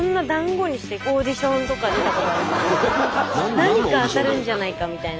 何か当たるんじゃないかみたいな。